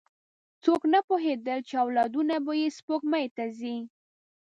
څوک نه پوهېدل، چې اولادونه به یې سپوږمۍ ته ځي.